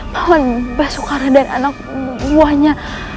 paman bas soekarno dan anak buahnya